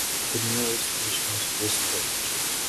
The nearest station is Swiss Cottage.